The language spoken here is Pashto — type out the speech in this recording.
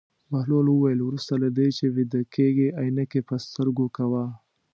بهلول وویل: وروسته له دې چې ویده کېږې عینکې په سترګو کوه.